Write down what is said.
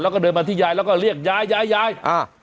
แล้วก็เดินมาที่ยายแล้วก็เรียกยายยายยายอ่า